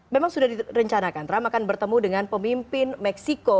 memang sudah direncanakan trump akan bertemu dengan pemimpin meksiko